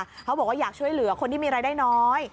เขาบอกว่าอยากช่วยเหลือคนที่มีรายได้น้อย